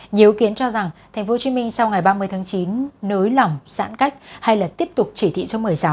nhiều ý kiến cho rằng tp hcm sau ngày ba mươi tháng chín nới lỏng giãn cách hay là tiếp tục chỉ thị số một mươi sáu